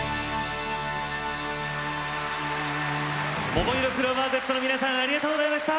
ももいろクローバーＺの皆さんありがとうございました。